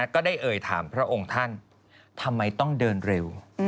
ก็ได้เอ่ยถามพระองค์ท่านทำไมต้องเดินเร็ว